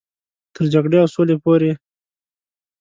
تر جګړې او سولې پورې.